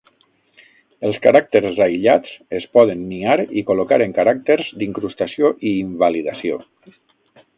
Els caràcters aïllats es poden niar i col·locar en caràcters d'incrustació i invalidació.